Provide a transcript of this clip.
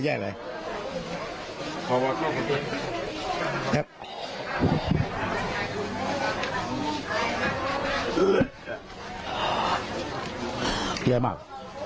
เยี่ยมหรอ